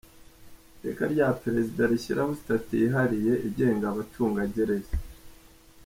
Iteka rya Perezida rishyiraho Sitati yihariye igenga Abacungagereza ;